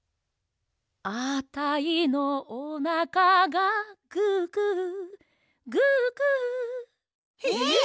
「あたいのおなかがググググ」えっ！？